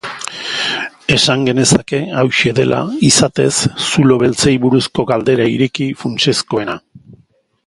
Esan genezake hauxe dela, izatez, zulo beltzei buruzko galdera ireki funtsezkoena.